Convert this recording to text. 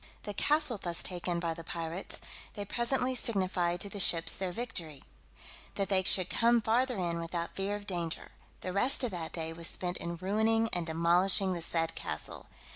The castle thus taken by the pirates, they presently signified to the ships their victory, that they should come farther in without fear of danger: the rest of that day was spent in ruining and demolishing the said castle.